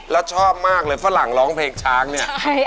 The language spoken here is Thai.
แล้วชอบมากเลยฝรั่งร้องเพลงช้างเนี่ย